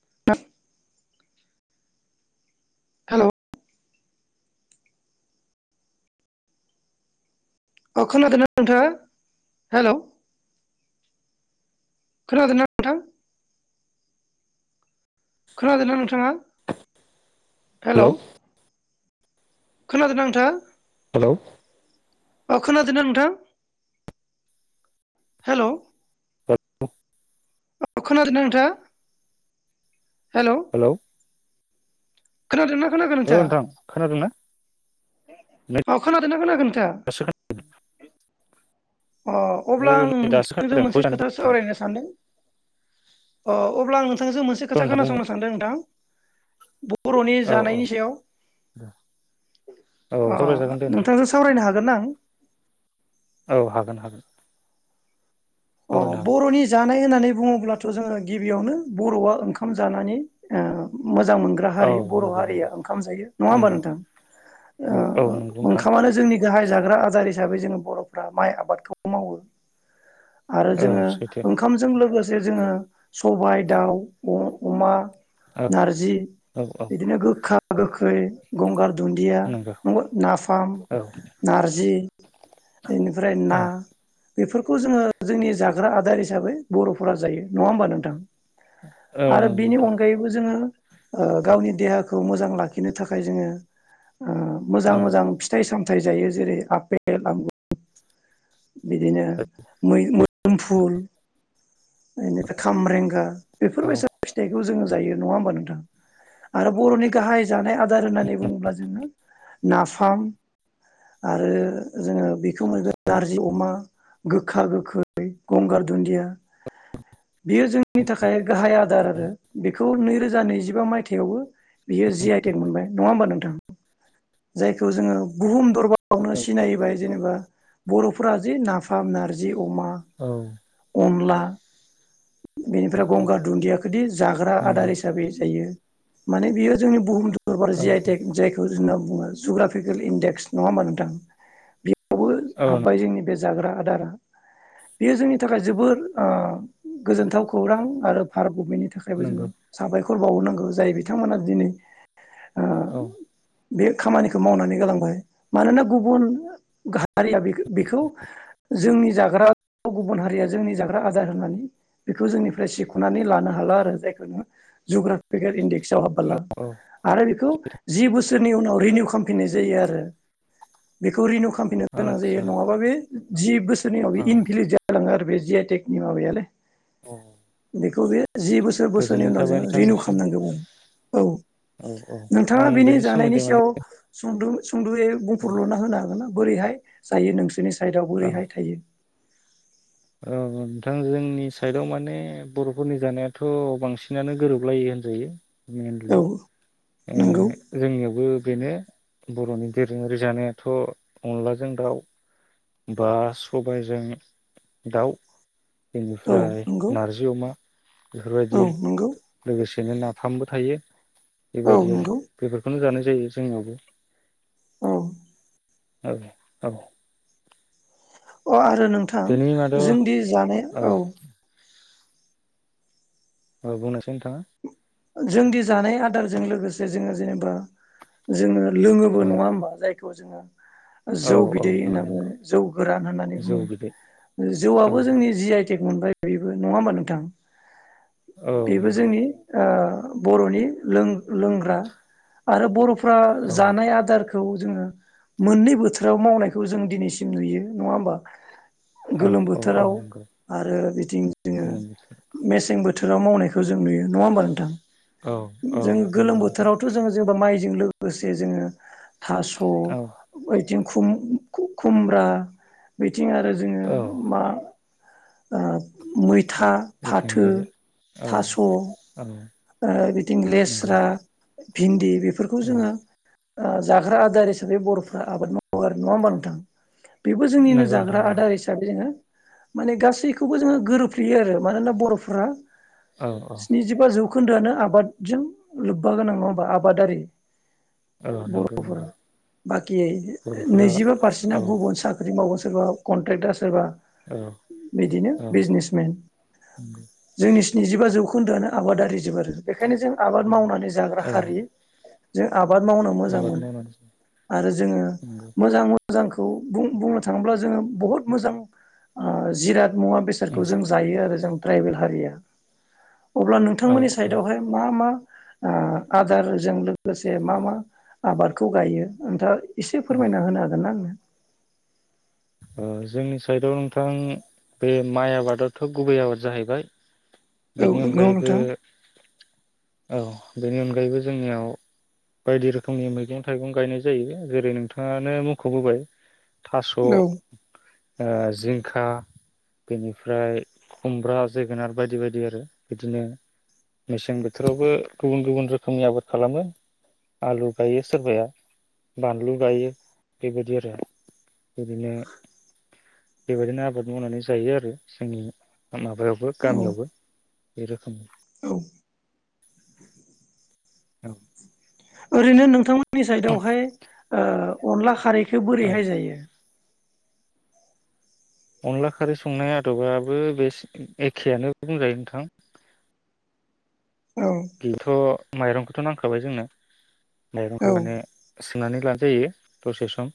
[unintelligible] Hello औ खोनादोंना नोंथाङा हेलौ‌ खोनादोंना नोंथां खोनादोंना नोंथाङा हेलौ खोनादोंना‌‌ नोंथाङा [unintelligible] अ खोनादोंना नोंथां हेलौ औ खोनादोंना नोंथाङा हेलौ खोनादों ना औ नोंथां खोनादोंना? नै अ खोनादोंना खोनायाखै नों [unintelligible] अ अब्ला खोनादों औ आं नै दासो नोंथांजों खोनादों मोनसे भइसआनो खोथा फैदों औ सावरायनो सानदों। अ अब्ला आं नोंथांजों मोनसे खोथा नोंथां खोनासंनो बुंलाय सानदों नोंथां, बर'नि औ औ जानायनि सायाव औ ओ सावरायजागोन दे नोंथां नोंथांजों सावरायनो हागोनना आं? औ हागोन हागोन अ सावरायनो हागोन बर'नि जानाय होननानै बुङोब्लाथ' जोङो गिबियावनो बर'आ ओंखाम जानानै ओ मोजां मोनग्रा औ हारि बर' नंगौ हारिया नंगौ ओंखाम जायो नङा होमबा नंगौ नोंथां औ औ ओ नंगौ नोंथां ओंखामानो जोंनि गाहाय जाग्रा आदार हि हिसाबै जोङो बर'फ्रा माइ आबादखौ मावो। आरो औ जोङो सैथो ओंखामजों लोगोसे जे जोङो सबाय दाउ अ-अमा औ नारजि औ औ बिदिनो गोखा गोखै गंगार दुन्दिया नंगौ दङो नाफाम, औ नारजि बेनिफ्राय औ ना बेफोरखौ जोङो जोंनि जाग्रा आदार हिसाबै बर'फोरा जायो नङा होमबा नोंथां? औ आरो नंगौ बेनि नोंथां अनगायैबो जोङो ओ गावनि देहाखौ मोजां लाखिनो थाखाय जोङो ओ मोजां औ मोजां फिथाइ साम फिथाय जायो जेरै आपेल आंगुर बिदिनो मै-मोदोम फुल। बेनिफ्राय खामरेंगा औ बेफोरबायसा फिथाइखौ जोङो जायो नङा होनबा नोंथां आरो बर'नि गाहाइ जानाय आ दार होननानै बुङोब्ला जोङो नाफाम आरो जोङो बे बिखौ मोनगोन नारजि अमा गोखा गोखै गंगार दुन्दिया बियो जोंनि थाखाय गाहाइ आदार आरो बेखौ नैरो जा नैजिबा मायथाइयावबो बियो जि आइ टेक मोनबाय नङा होमबा नों थां जायखौ जोङो बुहुम दरबार आवनो सिनायबाय जेनेबा बर'फोरा जे नाफाम नारजि अमा अनला बेनिफ्राय गंगार दुन्दियाखोदि जाग्रा नंगौ आदार हिसाबै जायो। माने बियो जोंनि बुहुम दरबार जि आइ औ टेक जायखौ जुना बुङो जुग्राफिकेलि देक्स नङा होमबा नोंथां? बावबो औ हाबबाय जोंनि बे जाग्रा आदारा बेयो जोंनि थाखाय जोबोर ओ गोजोनथाव खौरां आरो फार गभमेन्टनि थाखायबो जो नंगौ साबायख' फोर बावनांगौ जाय बिथांमोना दिनै ओ औ। बे खामानिखौ मावनानै गालांबाय मानोना गुबुन हारिया बेखो-बेखौ जोंनि जाग्रा गुबुन हारिया जोंनि जाग्रा आदार होनानै बेखौ जोंनिफ्राय सिख'नानै लानो हाला आरो जायखौ नोङो जुग्राफिकेल इडिके हाबोला औ आरो बेखौ जि बु नि उनाव रिनिउ खालामफिननाय जायो आरो बेखौ रिनिउ खामफैनो गोनां जायो आदसा नङाबा बे जि बोसो औ [unintelligible] जालाङो आरो। बे जि आइ टेक नि माबयालै औ। बेखौ बे जि बोसोर बोसोरनि गोजोननाय उनाव थाबाय जों रिनिउ नोंथांनिसिम खालामनांगौमोन औ औ औ नोंथाङा आं बिनि बेनि जानायनि सोमोन्दै माने सायाव सुंदुं सुंदुयै औ बुंफोरलुना होनो हागोन ना? बोरैहाय जायो नोंसोरनि साइदआव औ बोरैहाय थायो औ नोंथां जोंनि साइडआव माने बर'फोरनि जानायाथ' बांसिनानो गोरोबलायो होनजायो। मेनलि औ ओ नंगौ जोंनिआव बो बेनो बर'नि दोरोङारि जानायाथ' अनलाजों दाउ बा सबायजों दाउ औ बेनिफ्राय नंगौ नारजि अमा। औ बेफोरबायदि नंगौ लोगोसेनो ना फामबो थायो। औ बेबायदि आरो नंगौ बेफोरखौनो जानो जायो जोंनावबो। औ। औ औ। अ आरो नोंथां बेनि मादाव जोंदि जानाय औ। औ बुंनायसै नोंथांङा। जोंदि जानाय आदारजों लोगोसे जोंङो जेनेबा जोंङो। लोङोबो औ नङा होमबा? जायक। बेखौ जोङो। औ जौ औ बिदै नंगौ होनना नंगौ बुंङो जौ गोरान होननानै जौ बुङो बिदै औ जौआबो जोंनि जि आइत। टेग मोनबाय थायोब्ला नङा होमबा नोंथां? बेबो जोंनि औ। ओ बर'नि लोंग-लोंग्रा आरो बर'फो। फ्रा औ जानाय आदारख। खौ जोंङो मोननै बोथोराव मावनायखौ जों दिनैसिम नुयो। नङा होमबा? औ गोलोम औ औ बोथोराव नंगौ आरो बिथिं जोंङो गोलोम बोथोर मेसें बोथ। थोराव मावनायखौ जों नुयो। नङा होमबा नोंथां? औ औ जों गोलोम नंगौ नोंथां बोथोरावथ जों जोबो माइ। जों लोगोसे जोंङो। औ थास'बैथ। खुम खु-खुमब्रा बैद। बिथिं आरो औ जोंङो मा। ओ मैथा फाथो बिथिंजाय औ थास'। ओ औ बिथिं नंगौ लेस्रा। भिन्दिब। बेफोरखौ औ जोङो। ओ जाग्रा आदार हिसाबै बर'फ्रा आबाद मावो आरो नङा होमबा नोंथां? बेबो जोंनिनो नंगौ नोंथां जाग्रा नंगौ आदार हिसाबै जोंङो माने गासैखौबो जोङो गोरोबफ्लेयो आरो मानोना बर'फ्रा औ औ स्निजिबा जौ जौखोन्दोआनो आबाद जों लोब्बा गोनां नङा होमबा आबादारि औ नंगौ बर'फोरा नंगौ बाकियै बर'फोरा नैजिबा पारसेन्टआ औ औ गुबुन साख्रि मावगासिन सोरबा कनट्रेक्टआ सोरबा औ बिदिनो बिजनेसमेन नंगौ जोंनि स्निजिबा जौ [unintelligible] आबादारिस जोबोरो बेखायनो जों आबाद मावनानै जाग्रा औ हारि जे आब आबाद मावना मोजां आबाद मोनो मावनानै आरो जोंङो नंगौ मोजां मो जोंखौ बुं बुंनो थाङोब्ला जोङो बहुत मोजां जिराद मुवा बेसादखौ उम जों जायो आरो जों ट्राइबेल हारिया अब्ला औ नोंथांमोननिसि औ साइद आवहाय मा मा ओ आदारजों लोगोसे मा मा आबादखौ गायो ओनथां? एसे औ फोरमायना होनो हागोन ना आंनो ओ जोंनि साइदाव नोंथां बे माइ आबादाथ' गुबै आबाद जाहैबाय औ बेनि नंगौ अनगायैबो नोंथां औ बेनि अनगायैबो जोंनियाव बायदि रोखोमनि मैगं थाइगं गायनाय जायो जेरै नोंथाङानो मुंख'बोबाय थास' औ ओ जिंखा बेनिफ्राय खुमब्रा जोगोनार बायदि बायदि आरो बिदिनो मेसें बोथोरावबो गुबुन गुबुन रोखोमनि आबाद खालामो आलु गायो सोरबाया बानलु गायो बेबायदि आरो बिदिनो बेबायदिनो आबाद मावनानै जायो आरो जोंनि माबायावबो औ गामियावबो बे रोखोम औ औ ओरैनो नोंथां जोंनि साइदावहाय ओ अनला खारै खौ औ बोरैहाय जायो? अनला खारै संनाय आदबाबो बे एखेयानो बुंजायो नोंथां। औ बेथ' माइरंखोथ' नांखाबाय जोंनो। माइरंखौ औ माने सोमनानै लाजायो दसे सम।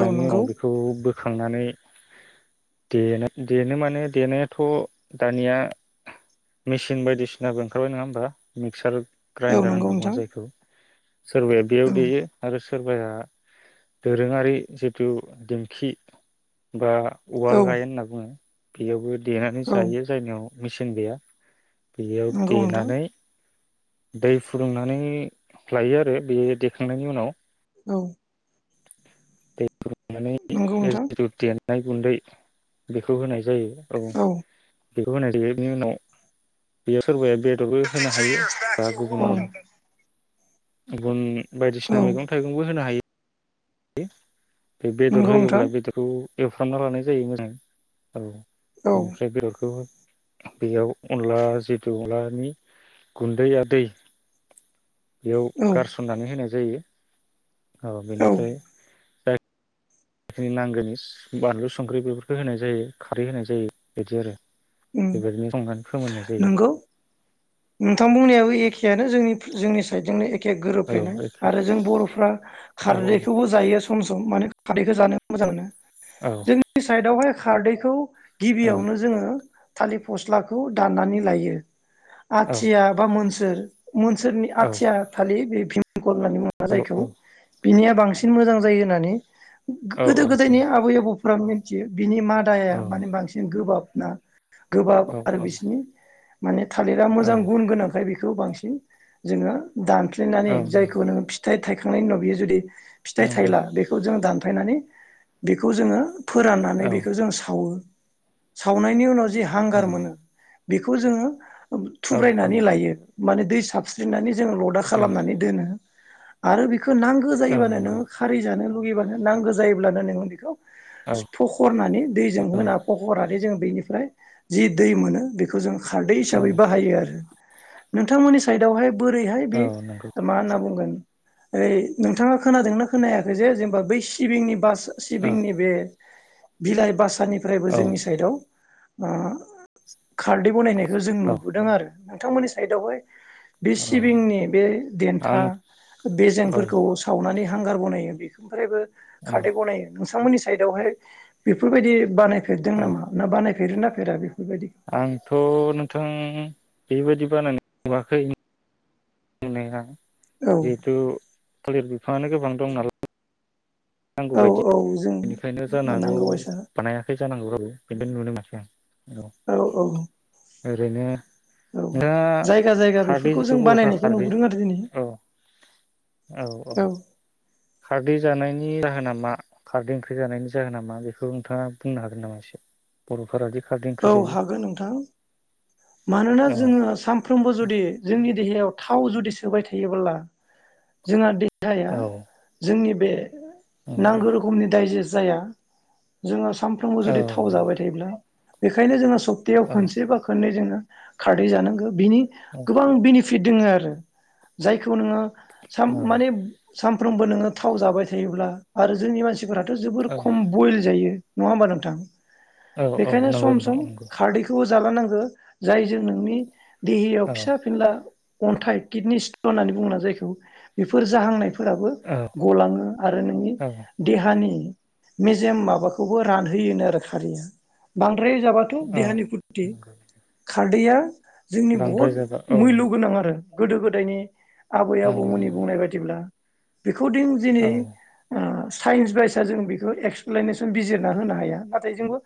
औ उनाव नंगौ बेखौ बोखांनानै देनो देनो माने देनायाथ' दानिया मेसिन बायदिसिनाबो ओंखारबाय नङा होमबा? मिगसार औ ग्रेनडार नंगौ होनना बुङो नोंथां जायखौ। सोरबाया बेयाव औ देयो आरो सोरबाया दोरोङारि जिथु दिंखि बा औ उवाल गाहेन होनना बुङो। बेयावबो देनानै औ जायो जायनियाव मिसिन गैया। बेयाव नंगौ नोंथां देनानै दै फुदुंनानै लायो आरो बेयो देखांनायनि उनाव। औ [unintelligible] नंगौ नोंथां लाय गुन्दै बेखौ होनाय जायो। जायो औ। बेखौ होना देयो बिनि उनाव बियो सोरबाया बेदरबो होनो हायो बा औ गुबुन बुन बायदिसिना मैगं थाइगंबो होनो हायो। दे बेदर नंगौ नोंथां होयोब्ला बेदरखौ एवफ्रामना लानाय जायो मोजां औ औ बेनिफ्राय बेदरखौ बेयाव अनला जितु अनलानि गुन्दै आ दै बेयाव औ गारसननानै होनाय जायो। औ बेनिफ्राय उम नांगोनि बानलु संख्रि बेफोरखौ होनाय जायो खारै होनाय जायो इदि आरो। बेबायदिनो संनानै फोमोननाय जायो नंगौ नोंथां बुंनायाबो एखेआनो जोंनि जोंनि साइडजोंनो एख खे औ गोरोबफ्लेनाय एखे आरो जों बर'फ्रा औ खारदैखौबो जायो सम सम माने खारदैखौ जानो मोजां मोनो औ जोंनि साइडआवहाय खारदैखौ औ गिबियावनो जोङो थालिर फस्लाखौ दाननानै लायो आथिया बा मोनस दोर मोनसोरनि औ आथिया थालिर बे खननानै मोना औ औ जायखौ बिनिया बांसिन मोजां जायो होननानै। गो औ गोदो गोदायनि आबै आबौ फोरा मिथियो। बिनि मादाया माने बांसिन गोबाब ना गोबाब औ आरो औ बिसिनि माने थालिर औ मोजां गुन गोनांखाय बेखो बेखौ बांसिन जोङो औ दानफ्लेनानै जायखौ नोङो फिथाइ थायखांनायनि उनाव बियो जुदि फिथाइ नंगौ थायला बेखौ जों दानफायनानै बेखौ जोङो फोराननानै औ बेखौ जों सावो। सावनायनि उनाव जो जि औ हांगार मोनो बेखौ जोङो औ थुब्रायनानै लायो। माने दै साबस्रिनानै जों लदा औ खालामनानै दोनो। आरो बे खो नांगो औ जायोबानो नों नंगौ खारै जानो लुगैबानो नांगो जायोब्लानो नोङो बेखौ औ फखरनानै दैजों औ होना फखरनानै जों बेनिफ्राय जि दै मोनो बेखौ जों खार साबै बाहायो आरो नोंथांमोननि साइडाव हाय बोरै हाय औ बे नंगौ मा होनना बुंगोन ओय नोंथाङा खोनादोंना खोनायाखै जे जेनेबा बै सिबिंनि बास औ सिबिंनि बे बिलाय बास साननिफ्रायबो औ जोंनि साइडयाव आ खारदै बनाय खो जों नुबोदों आरो नोंथांमोननि साइडावहाय बे औ सिबिंनि बे देन्था बेजेंफोरखौ सावनानै हांगार बनायो बेखौनिफ्रायबो आं औ खारदै बनायो नोंथांमोननि साइदावहाय बेफोरबायदि बानाय फेरदों नामा ना बानाय फेरोना फेरा बे आंथ' नों थां बेबायदि बानायनाय नुवाखै नुनाया औ जिहेतु थालिर बिफाङानो गोबां दं नालाय नांगौ औ बायदि औ जों बेनिखायनो जानो हागौ मोननांगौ बायसा बानायाखै जानांगौ रावबो [unintelligible] औ औ ओरैनो औ दा जायगा जायगा खारदै बेफोरखौ जिथु जों बर'फ्रा बानायनायखौ खारदै नुबोदों आरो दिनै औ औ खारदै जानायनि जाहोना मा खारदै ओंख्रि जानायनि जाहोना मा बेखौ नोंथाङा बुंनो हागोन नामा एसे बर'फोरादि खारदै औ ओंख्रि जायो हागोन नोंथां मानोना औ जोङो सानफ्रोमबो जुदि जोंनि देहायाव थाव जुदि सोबाय थायोब्ला जोंहा देहाया औ जोंनि बे औ नांगौ रोखोमनि दाइजेस जाया जोङो सानफ्रोमबो औ जुदि थाव जाबाय थायोब्ला बेखायनो जोङो सब्तायाव औ खोनसेबा खोननै जोङो खारदै जानांगो बिनि गोबां बेनि फिट दोङो आरो जायखौ नोङो साम माने सानफ्रोमबो नोङो थाव जाबाय थायोब्ला आरो जोंनि मानसि फोराथ' जोबोर औ खम बइल जायो। नङा होमबा नोंथां? औ औ बेखायनो नंगौ सम नोंथां सम नंगौ खारदैखौबो जालांनांगो जायजों नोंनि देहायाव औ फिसा फिनला अन्थाइ किडनि स्टन होननानै बुंङोना जायखौ बेफोर जाहांनायफो फोराबो औ गलाङो आरो नोंनि औ देहानि मेजेम माबाखौबो रानहोयोनो आरो खारैया। बां द्राय जाबाथ' औ देहानि खुथथि। नंगौ खारदैया जोंनि बांद्राय बहुद जाबा औ मुल्य गोनां आरो गोदो गोदायनि आबै नंगौ आबौमोननि नंगौ बुंनाय बायदिब्ला बेखौदिं दिनि औ ओ साइन्स बाइसा जों बेखौ एक्सप्लेनेसन बिजिरना होनो हाया। नाथाय जोंबो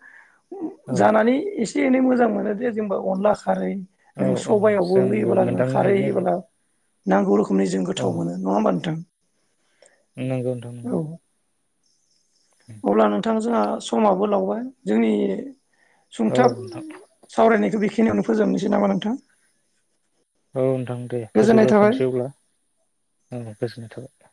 औ जानानै इस से एनै मोजां मोनो दे जोंबो अनलास खारै औ नों औ सबायावबो जोंबो होयोब्ला नों मोनदांनो खारै हायो आरो होयोबोला नांगौ रोखो खोमनि जों गोथाव मोनो नङा होमबा नोंथां? नोंगौ नोंथां औ नोंगौ। अब्ला नोंथां जोंहा समाबो लावबाय जोंनि औ सुंथाब नोंथां सावरायनायखौ बेखि खिनियावनो फोजोबनोसै नामा नोंथां? औ नोंथां दे गोजोननाय थाबाय फोजोबलायथ'सै अब्ला गोजोननाय थाबाय।